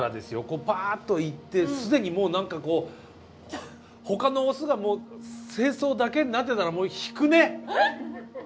こうばっと行って既にもう何かこうほかのオスがもう精巣だけになってたらもう引くね。